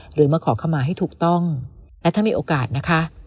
หรือมาขอขมาให้ถูกต้องและถ้ามีโอกาสนะคะ